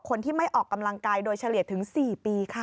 คนที่ไม่ออกกำลังกายโดยเฉลี่ยถึง๔ปีค่ะ